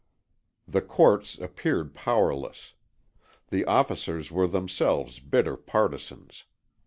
The courts appeared powerless. The officers were themselves bitter partisans.